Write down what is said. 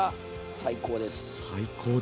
最高です。